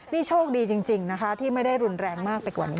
นี่โชคดีจริงนะคะที่ไม่ได้รุนแรงมากไปกว่านี้